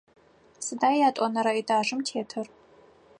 Сыда ятӏонэрэ этажым тетыр?